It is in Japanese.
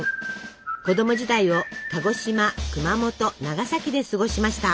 子供時代を鹿児島熊本長崎で過ごしました。